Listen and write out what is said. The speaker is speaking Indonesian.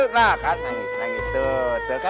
nah kan nah gitu kan